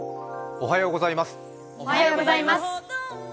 おはようございます。